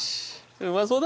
うまそうだな！